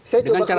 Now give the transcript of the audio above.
saya tuh maksudnya